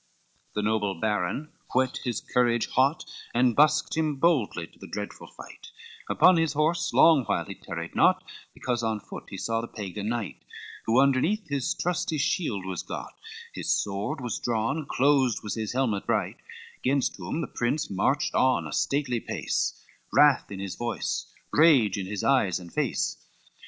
XXXVII The noble baron whet his courage hot, And busked him boldly to the dreadful fight; Upon his horse long while he tarried not, Because on foot he saw the Pagan knight, Who underneath his trusty shield was got, His sword was drawn, closed was his helmet bright, Gainst whom the prince marched on a stately pace, Wrath in his voice, rage in his eyes and face.